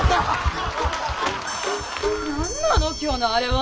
何なの今日のあれは。